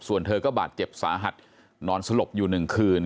ส่วนเธอก็บาดเจ็บสาหัสนอนสลบอยู่๑คืน